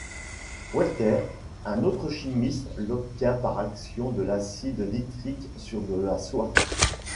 Welter, un autre chimiste, l'obtint par action de l'acide nitrique sur de la soie.